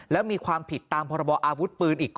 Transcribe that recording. แล้วมีความผิดตามพรบออาวุธปืนอีก